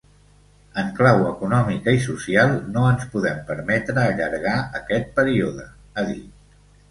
En clau econòmica i social no ens podem permetre allargar aquest període, ha dit.